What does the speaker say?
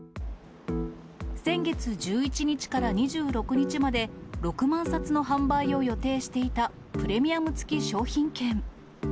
先月１１日から２６日まで、６万冊の販売を予定していた、プレミアム付商品券。